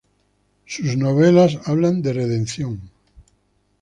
Sus novelas hablan de redención.